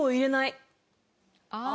ああ。